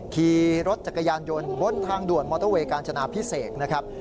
ขี่รถจักรยานยนต์บนทางด่วนมอเตอร์เวยกาญจนาพิเศษนะครับ